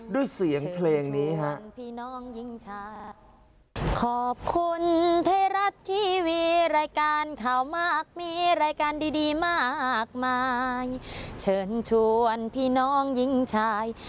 ด้วยเสียงเพลงนี้ฮะ